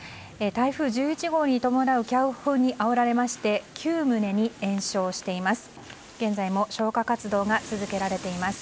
台風１１号に伴う強風にあおられまして９棟に延焼しています。